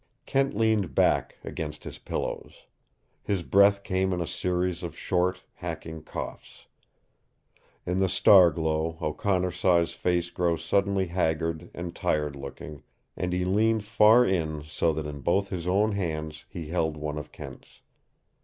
Kent leaned back against his pillows. His breath came in a series of short, hacking coughs. In the star glow O'Connor saw his face grow suddenly haggard and tired looking, and he leaned far in so that in both his own hands he held one of Kent's.